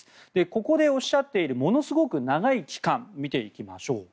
ここでおっしゃっているものすごく長い期間見ていきましょう。